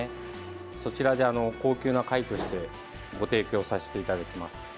そちらで高級な貝としてご提供させていただいています。